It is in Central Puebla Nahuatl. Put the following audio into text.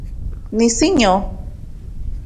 Nisiño